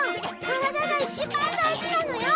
体が一番大事なのよ！